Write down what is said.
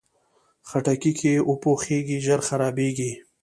خټکی که وپوخېږي، ژر خرابېږي.